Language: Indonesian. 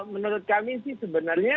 menurut kami sih sebenarnya